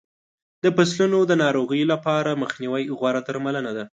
د فصلونو د ناروغیو لپاره مخنیوی غوره درملنه ده.